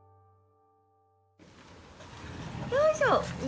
よいしょ